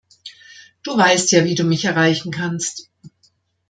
Du weißt ja, wie du mich erreichen kannst.